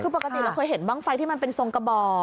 คือปกติเราเคยเห็นบ้างไฟที่มันเป็นทรงกระบอก